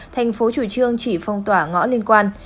thành phố chủ trương chỉ phong tỏa ngõ liên quan